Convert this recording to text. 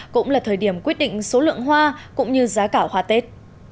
cũng là thời điểm quyết định số lượng hoa cũng như giá cả hoa tết